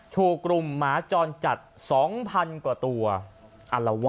หูกลุ่มหมาจรจัด๒๐๐๐กว่าตัว